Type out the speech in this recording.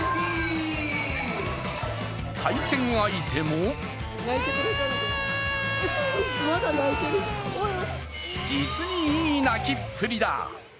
対戦相手も実にいい泣きっぷりだ。